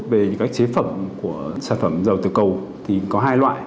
về các chế phẩm của sản phẩm dầu từ cầu thì có hai loại